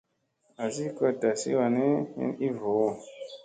Azi kot tazi wani, hin i voo.